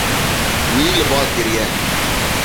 Wî li ba kiriye.